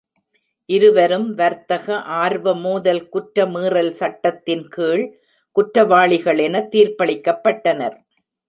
இருவரும் வர்த்தக ஆர்வ மோதல் குற்ற மீறல் சட்டத்தின் கீழ் குற்றவாளிகள் என தீர்ப்பளிக்கப்பட்டனர்.